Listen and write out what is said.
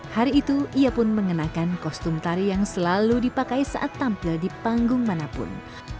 hari itu ia pun menginakan kostum taric yang selalu dipakai saat tampil di panggung mana pun